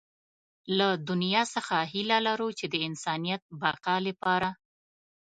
له دنيا څخه هيله لرو چې د انسانيت بقا لپاره.